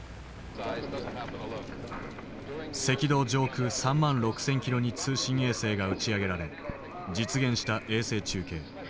赤道上空３万６，０００キロに通信衛星が打ち上げられ実現した衛星中継。